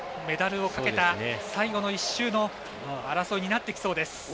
メダルをかけた最後の１周の争いになってきそうです。